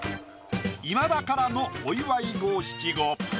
今田からのお祝い５・７・５。